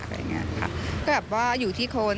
ก็อยากว่าอยู่ที่โคน